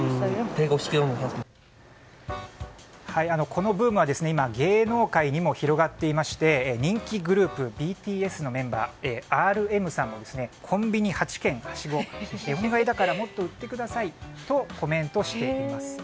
このブームは今芸能界にも広がっていまして人気グループＢＴＳのメンバーＲＭさんがコンビニ８軒はしごお願いだからもっと売ってくださいとコメントしています。